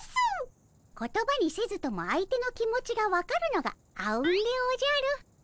言葉にせずとも相手の気持ちが分かるのがあうんでおじゃる。